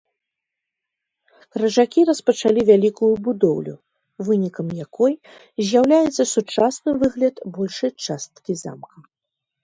Крыжакі распачалі вялікую будоўлю, вынікам якой з'яўляецца сучасны выгляд большай часткі замка.